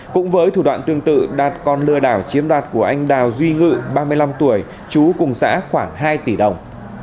cũng với thủ đoạn tương tự đạt còn lừa đảo chiếm đoạt của anh đào duy ngự ba mươi năm tuổi chú cùng xã khoảng hai tỷ đồng